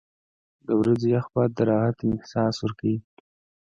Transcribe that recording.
• د ورځې یخ باد د راحت احساس ورکوي.